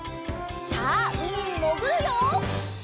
さあうみにもぐるよ！